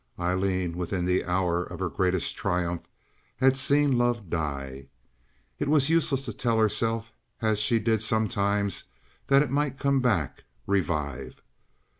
Aileen, within the hour of her greatest triumph, had seen love die. It was useless to tell herself, as she did sometimes, that it might come back, revive.